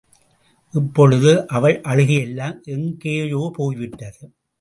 இப்பொழுது அவள் அழுகையெல்லாம் எங்கேயோ போய்விட்டது.